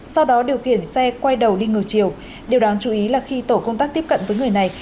sau đó điều khiển xe quay đầu đi ngược chiều điều đáng chú ý là khi tổ công tác tiếp cận với người này